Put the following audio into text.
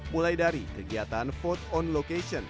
mulai dari kegiatan vote on location